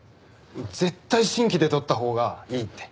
絶対新規で撮ったほうがいいって。